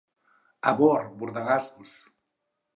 A Bor, bordegassos.